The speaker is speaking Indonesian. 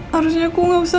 harusnya aku gak usah